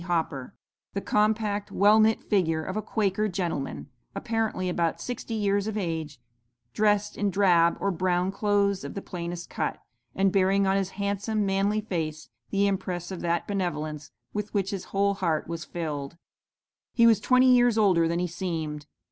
Hopper, the compact, well knit figure of a Quaker gentleman, apparently about sixty years of age, dressed in drab or brown clothes of the plainest cut, and bearing on his handsome, manly face the impress of that benevolence with which his whole heart was filled. "'He was twenty years older than he seemed.